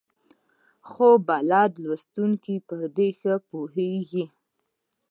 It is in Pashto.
خو بلد لوستونکي په دې ښه پوهېږي.